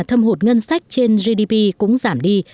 thâm hụt ngân sách trên gdp cũng giảm đi